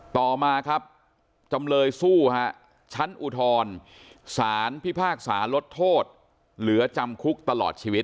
ต่อมาครับจำเลยสู้ฮะชั้นอุทธรสารพิพากษาลดโทษเหลือจำคุกตลอดชีวิต